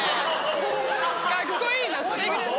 カッコいいなそれぐらい。